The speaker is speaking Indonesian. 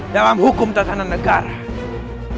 dalam hukum tertahanan negara